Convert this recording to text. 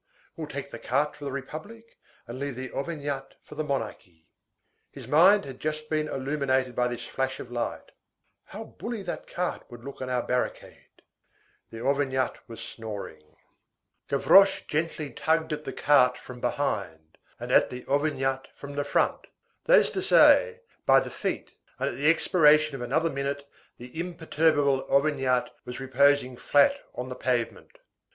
We'll take the cart for the Republic, and leave the Auvergnat for the Monarchy." His mind had just been illuminated by this flash of light:— "How bully that cart would look on our barricade!" The Auvergnat was snoring. Gavroche gently tugged at the cart from behind, and at the Auvergnat from the front, that is to say, by the feet, and at the expiration of another minute the imperturbable Auvergnat was reposing flat on the pavement.